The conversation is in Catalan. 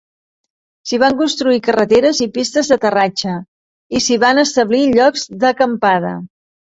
S'hi van construir carreteres i pistes d'aterratge, i s'hi van establir llocs de d'acampada.